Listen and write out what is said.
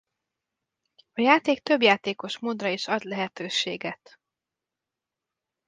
A játék többjátékos módra is ad lehetőséget.